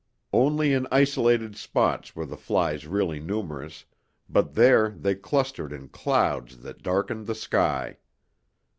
Only in isolated spots were the flies really numerous, but there they clustered in clouds that darkened the sky.